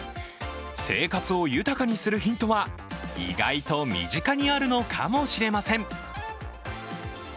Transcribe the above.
生活を豊かにするヒントは意外と身近にあるのかもしれません。